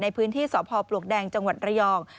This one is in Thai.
ในพื้นที่สพปลวกแดงจังหวัดระยอง